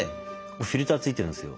フィルター付いてるんですよ。